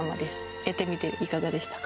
やってみていかがでしたか？